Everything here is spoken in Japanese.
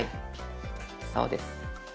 そうです。